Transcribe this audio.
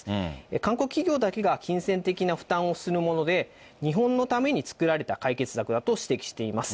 韓国企業だけが金銭的な負担をするもので、日本のために作られた解決策だと指摘しています。